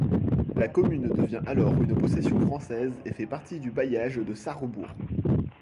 La commune devient alors une possession française et fait partie du bailliage de Sarrebourg.